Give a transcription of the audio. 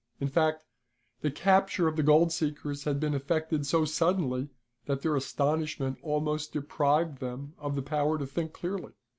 In fact, the capture of the gold seekers had been effected so suddenly that their astonishment almost deprived them of the power to think clearly.